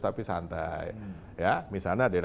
tapi santai ya misalnya